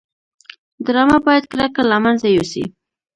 ډرامه باید کرکه له منځه یوسي